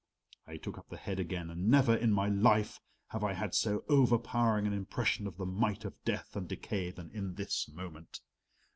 I took up the head again and never in my life have I had so overpowering an impression of the might of death and decay than in this moment.